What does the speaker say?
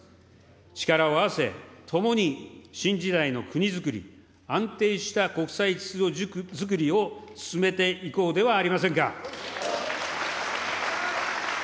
力を合わせ、ともに新時代の国づくり、安定した国際秩序づくりを進めていこうではありませんか。